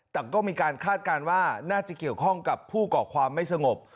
แต่ก็มีการคาดการณ์ว่าน่าจะเกี่ยวข้องกับผู้ก่อความไม่สงบ